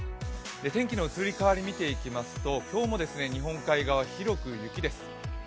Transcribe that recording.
天気の移り変わりを見ていきますと今日も日本海側、広く雪です。